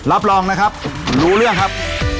รับรองนะครับรู้เรื่องครับ